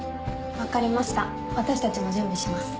分かりました私たちも準備します。